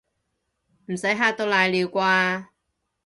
唔使嚇到瀨尿啩